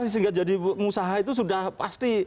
sehingga jadi pengusaha itu sudah pasti